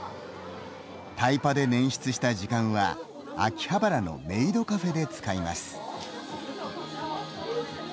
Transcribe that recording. タイパで捻出した時間は秋葉原のメイドカフェで使います。